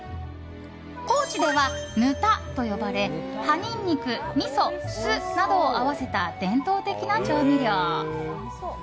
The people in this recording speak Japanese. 高知では、ぬたと呼ばれ葉ニンニク、みそ、酢などを合わせた伝統的な調味料。